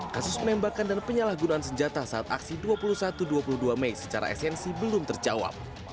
kasus penembakan dan penyalahgunaan senjata saat aksi dua puluh satu dua puluh dua mei secara esensi belum terjawab